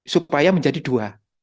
supaya menjadi dua